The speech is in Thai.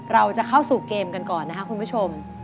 เราจะเข้าสู่เกมกันก่อนนะครับคุณผู้ชม